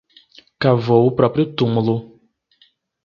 Cavou o próprio túmulo